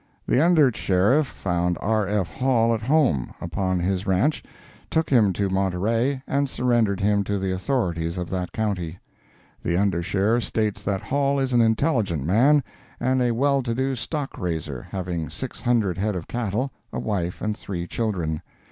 The Under Sheriff found R. F. Hall at home, upon his ranch, took him to Monterey, and surrendered him to the authorities of that county. The Under Sheriff states that Hall is an intelligent man, and a well to do stock raiser, having six hundred head of cattle, a wife and three children.